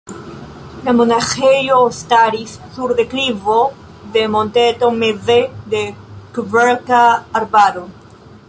La monaĥejo staris sur deklivo de monteto, meze de kverka arbaro.